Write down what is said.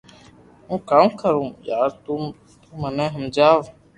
ھون ڪاو ڪرو يار تو مني ھمجاو